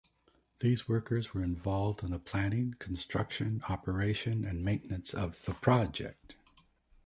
These workers were involved in the planning, construction, operation, and maintenance of the project.